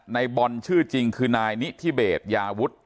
ในบอลชื่อจริงคือนายนิธิเบสยาวุฒิ